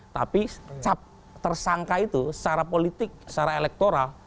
tapi tersangka itu secara politik secara elektoral